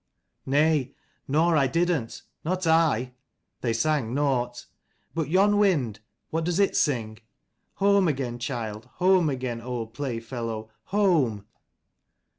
Nay, nor I didn't. Not I. They sang nought. But yon wind, what does it sing? Home again, child: home again, old playfellow : home